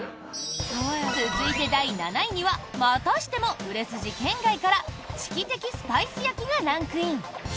続いて、第７位にはまたしても売れ筋圏外からチキテキスパイス焼きがランクイン！